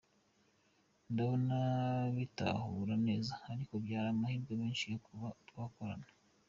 ndabona bitahura neza ariko byari amahirwe menshi yo kuba twakorana.